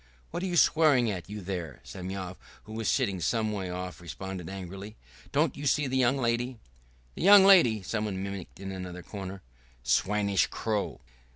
"What are you swearing at, you there?" Semyon, who was sitting some way off, responded angrily. "Don't you see the young lady?" "The young lady!" someone mimicked in another corner. "Swinish crow!"